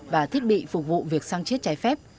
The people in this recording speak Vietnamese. và thiết bị phục vụ việc xăng chiết trái phép